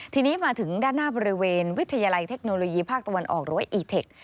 ทีนี้มาถึงด้านหน้าบริเวณวิทยาลัยเทคโนโลยีภาคตะวันออกหรือว่าอีเทค